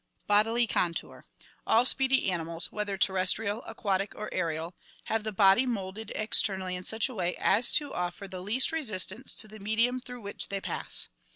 Bodily Contour. — All speedy animals, whether terrestrial, aquatic, or aerial, have the body moulded externally in such a way as to offer the least resistance to the medium through which they pass.